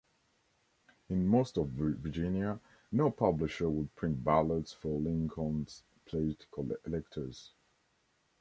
In most of Virginia, no publisher would print ballots for Lincoln's pledged electors.